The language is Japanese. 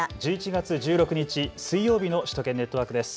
１１月１６日、水曜日の首都圏ネットワークです。